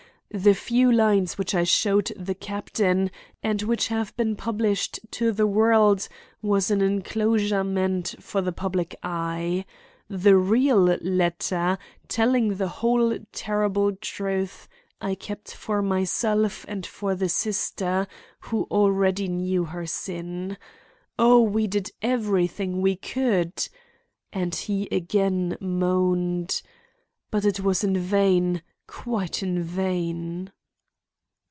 The few lines which I showed the captain and which have been published to the world was an inclosure meant for the public eye. The real letter, telling the whole terrible truth, I kept for myself and for the sister who already knew her sin. Oh, we did everything we could!" And he again moaned: "But it was in vain; quite in vain."